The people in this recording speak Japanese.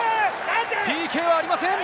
ＰＫはありません。